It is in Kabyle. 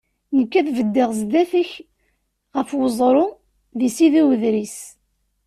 Nekk ad d-beddeɣ zdat-k ɣef weẓru, di Sidi Udris.